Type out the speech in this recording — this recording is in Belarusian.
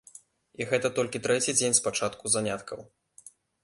І гэта толькі трэці дзень з пачатку заняткаў.